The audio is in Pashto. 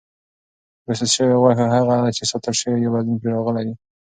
پروسس شوې غوښه هغه ده چې ساتل شوې یا بدلون پرې راغلی وي.